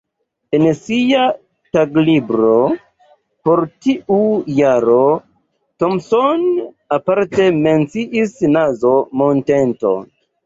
En sia taglibro por tiu jaro Thompson aparte menciis Nazo-Monteton.